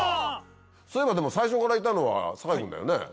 そういえば最初からいたのは酒井君だよね。